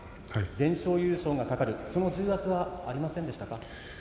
全勝優勝が懸かる、その重圧はありましたか。